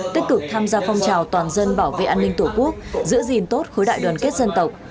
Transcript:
tích cực tham gia phong trào toàn dân bảo vệ an ninh tổ quốc giữ gìn tốt khối đại đoàn kết dân tộc